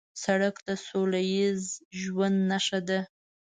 سړک د سولهییز ژوند نښه ده.